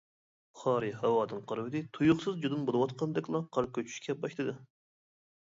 خارى ھاۋادىن قارىۋىدى، تۇيۇقسىز جۇدۇن بولۇۋاتقاندەكلا قار كۆچۈشكە باشلىدى.